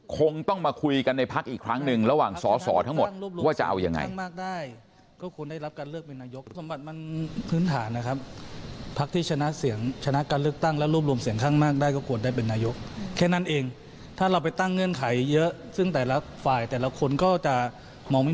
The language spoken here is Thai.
คงต้องมาคุยกันในพักอีกครั้งหนึ่งระหว่างสอสอทั้งหมดว่าจะเอายังไง